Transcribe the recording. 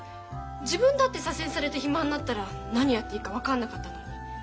自分だって左遷されて暇になったら何やっていいか分かんなかったのに。